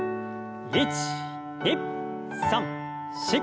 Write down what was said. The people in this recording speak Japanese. １２３４。